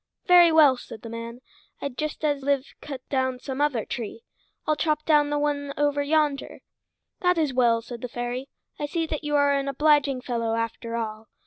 "Very well," said the man. "I'd just as lieve cut down some other tree. I'll chop down the one over yonder." "That is well," said the fairy. "I see that you are an obliging fellow, after all.